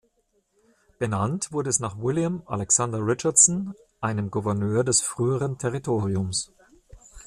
Benannt wurde es nach William Alexander Richardson, einem Gouverneur des früheren Territoriums.